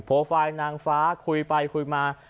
ไฟล์นางฟ้าคุยไปคุยมา